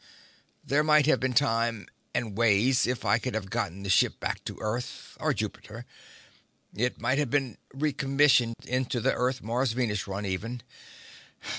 "There might have been time and ways, if I could have gotten the ship back to Earth or Jupiter. It might have been recommissioned into the Earth Mars Venus run, even.